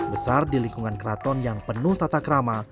besar di lingkungan keraton yang penuh tatakrama